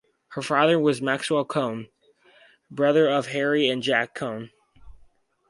Her father was Maxwell Cohn, brother of Harry and Jack Cohn.